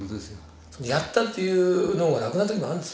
「やった」って言うのが楽な時もあるんですよ。